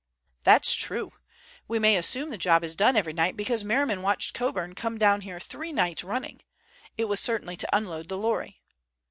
"That's true. We may assume the job is done every night, because Merriman watched Coburn come down here three nights running. It was certainly to unload the lorry."